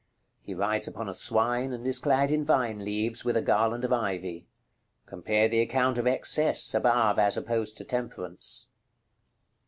He rides upon a swine, and is clad in vine leaves, with a garland of ivy. Compare the account of Excesse, above, as opposed to Temperance.